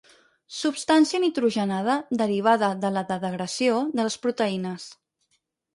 Substància nitrogenada derivada de la degradació de les proteïnes.